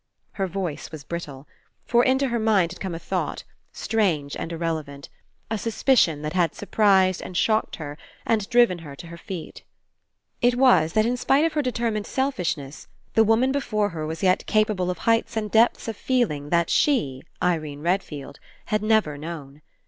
Her voice was brittle. For into her mind had come a thought, strange and irrele vant, a suspicion, that had surprised and 117 PASSING shocked her and driven her to her feet. It was that in spite of her determined selfishness the woman before her was yet capable of heights and depths of feeling that she, Irene Redfield, had never known.